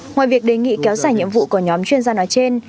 ngoài việc đề nghị kéo dài nhiệm vụ của nhóm chuyên gia nói trên